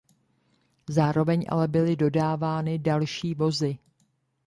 Zároveň ale byly dodávány další vozy.